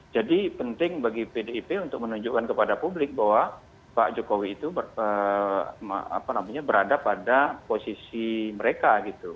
jadi penting bagi pdip untuk menunjukkan kepada publik bahwa pak jokowi itu berada pada posisi mereka